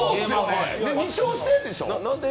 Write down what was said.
２勝してるんでしょ？